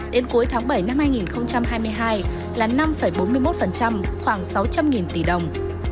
đến cuối tháng bảy năm hai nghìn hai mươi hai là năm bốn mươi một khoảng sáu trăm linh tỷ đồng